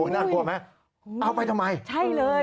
น่ากลัวไหมเอาไปทำไม